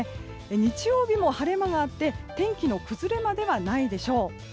日曜日も晴れ間があって天気の崩れまではないでしょう。